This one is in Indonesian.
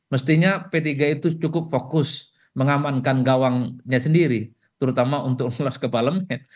mestinya p tiga itu cukup fokus mengamankan gawangnya sendiri terutama untuk loss ke parlemen